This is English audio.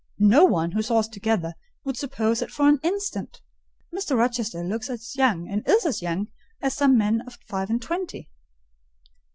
No one, who saw us together, would suppose it for an instant. Mr. Rochester looks as young, and is as young, as some men at five and twenty."